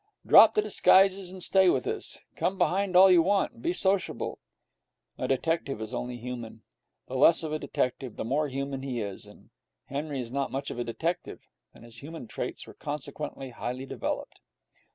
Drop the disguises, and stay with us. Come behind all you want, and be sociable.' A detective is only human. The less of a detective, the more human he is. Henry was not much of a detective, and his human traits were consequently highly developed.